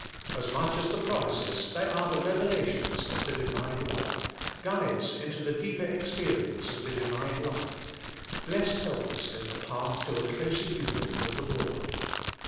As much as the promises they are the revela tions of the Divine love, guides into the deeper expe rience of the Divine life, blessed helpers in the path to a closer union with the Lord.